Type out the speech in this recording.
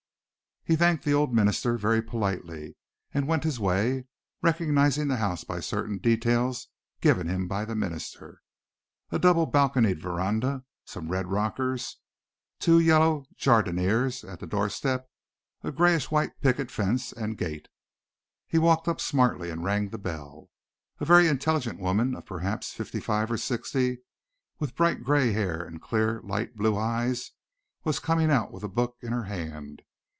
He thanked the old minister very politely and went his way, recognizing the house by certain details given him by the minister, a double balconied veranda, some red rockers, two yellow jardinières at the doorstep, a greyish white picket fence and gate. He walked up smartly and rang the bell. A very intelligent woman of perhaps fifty five or sixty with bright grey hair and clear light blue eyes was coming out with a book in her hand.